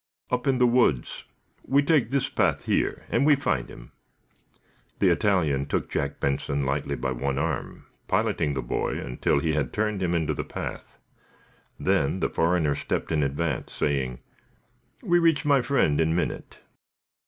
"Up in the woods. We take this path here, and we find him." The Italian took Jack Benson lightly by one arm, piloting the boy until he had turned him into the path. Then the foreigner stepped in advance, saying: "We reach my friend, in minute."